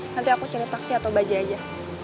nanti aku cari taksi atau baja aja